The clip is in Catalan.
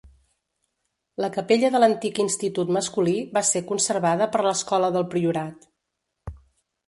La Capella de l'antic Institut Masculí va ser conservada per l"Escola del Priorat.